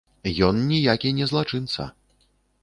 Ён ніякі не злачынца.